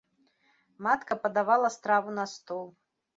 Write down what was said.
Матка падавала страву на стол.